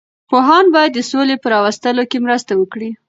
پوهان باید د سولې په راوستلو کې مرسته وکړي.